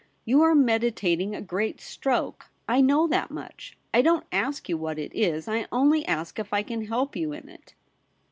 You are meditating a great stroke. I know that much. I don't ask you what it Is ; I only ask if I can help you in it.'